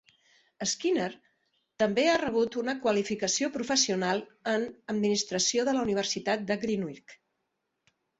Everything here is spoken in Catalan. Skinner també ha rebut una qualificació professional en Administració de la Universitat de Greenwich.